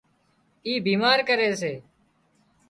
اي بيمار ڪري سي